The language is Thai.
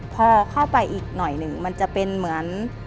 พอเข้าไปอีกหน่อยหนึ่งมันจะเป็นเหมือน